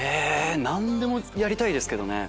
何でもやりたいですけどね。